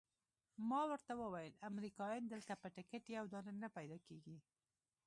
ما ورته وویل امریکایان دلته په ټکټ یو دانه نه پیدا کیږي.